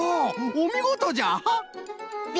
おみごとじゃ！